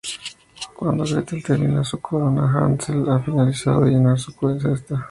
Cuando Gretel termina su corona, Hansel ha finalizado de llenar su cesta.